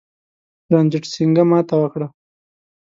رنجیټ سینګه ماته وکړه.